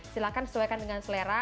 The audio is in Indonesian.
silahkan sesuaikan dengan selera